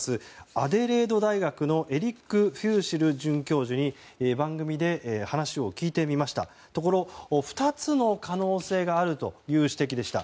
アデレード大学のエリック・フューシル准教授に番組で話を聞いてみましたところ２つの可能性があるという指摘でした。